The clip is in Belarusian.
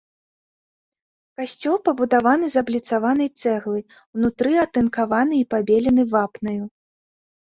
Касцёл пабудаваны з абліцаванай цэглы, унутры атынкаваны і пабелены вапнаю.